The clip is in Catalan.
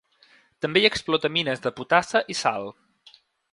També hi explota mines de potassa i sal.